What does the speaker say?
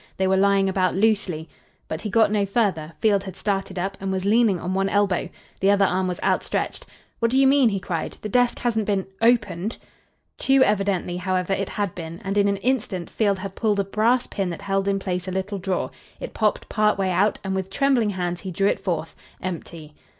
They were lying about loosely " But he got no further. Field had started up and was leaning on one elbow. The other arm was outstretched. "What do you mean?" he cried. "The desk hasn't been opened?" Too evidently, however, it had been, and in an instant Field had pulled a brass pin that held in place a little drawer. It popped part way out, and with trembling hands he drew it forth empty.